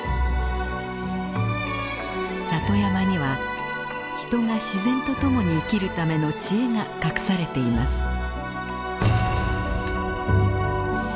里山には人が自然と共に生きるための知恵が隠されています。